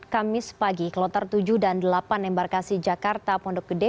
kamis pagi kloter tujuh dan delapan embarkasi jakarta pondok gede